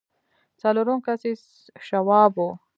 څلورم کس يې شواب و.